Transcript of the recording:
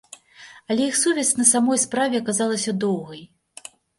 Але іх сувязь на самой справе аказалася доўгай.